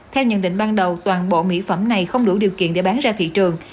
theo nhận định ban đầu toàn bộ mỹ phẩm này không đủ điều kiện để bán ra thị trường